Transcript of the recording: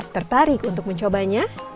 tertarik untuk mencobanya